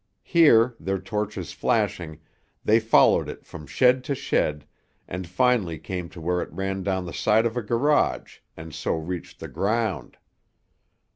Here, their torches flashing, they followed it from shed to shed, and finally came to where it ran down the side of a garage and so reached the ground.